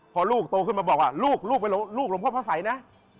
พอลูกโตขึ้นมาบอกว่าลูกลงพ่อภาษัยนะ